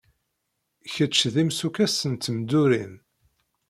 Kecc d imsukkes n tmeddurin.